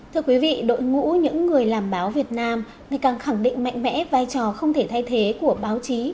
thưa quý vị đội ngũ những người làm báo việt nam ngày càng khẳng định mạnh mẽ vai trò không thể thay thế của báo chí